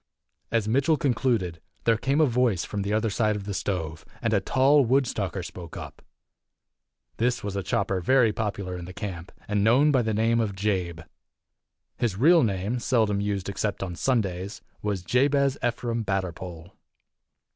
As Mitchell concluded, there came a voice from the other side of the stove, and a tall Woodstocker spoke up. This was a chopper very popular in the camp, and known by the name of Jabe. His real name, seldom used except on Sundays, was Jabez Ephraim Batterpole.